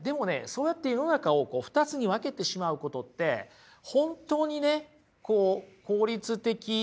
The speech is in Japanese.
そうやって世の中を２つに分けてしまうことって本当にね効率的なんでしょうか？